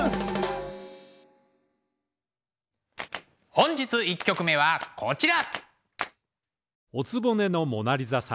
本日１曲目はこちら。